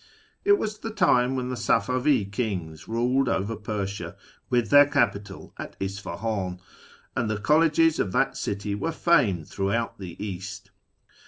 It was the time when the Safavf Kings ruled over Persia, with their capital at Isfaluin, and the colleges of that city were famed throughout the East.